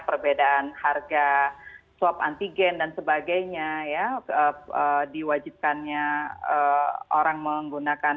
perbedaan harga swab antigen dan sebagainya ya diwajibkannya orang menggunakan